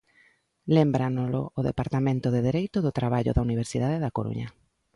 Lémbranolo o departamento de Dereito do Traballo da Universidade da Coruña.